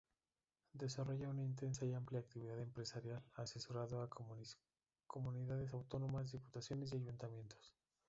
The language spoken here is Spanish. Desarrolla una intensa y amplia actividad empresarial, asesorando a Comunidades Autónomas, Diputaciones y Ayuntamientos.